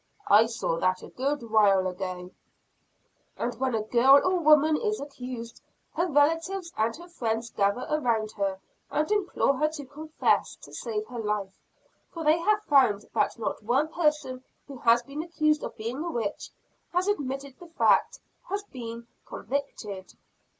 "I saw that a good while ago." "And when a girl or a woman is accused, her relatives and her friends gather around her, and implore her to confess, to save her life. For they have found that not one person who has been accused of being a witch, and has admitted the fact, has been convicted.